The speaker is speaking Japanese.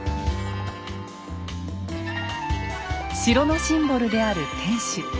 城のシンボルである天守。